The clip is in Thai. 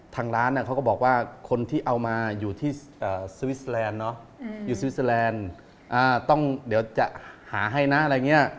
ทางร้านเขาก็บอกว่าคนที่เอามาอยู่ที่สวิสแลนด์เนาะอยู่สวิสเตอร์แลนด์ต้องเดี๋ยวจะหาให้นะอะไรอย่างนี้